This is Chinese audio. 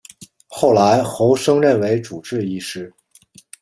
后来侯升任为主治医师。